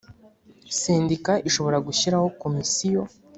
Sendika ishobora gushyiraho komisiyo